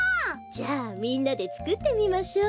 じゃあみんなでつくってみましょ。